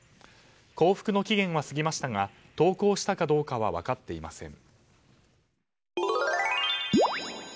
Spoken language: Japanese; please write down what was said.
降伏の期限は過ぎましたが投降したかどうかは分かっていません。